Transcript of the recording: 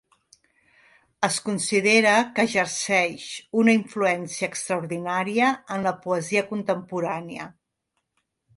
Es considera que exerceix una influència extraordinària en la poesia contemporània.